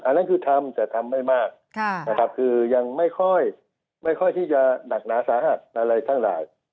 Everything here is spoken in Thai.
อันนั้นคือทำแต่ทำไม่มากนะครับคือยังไม่ค่อยที่จะหนักหนาสาหัสอะไรทั้งหลาย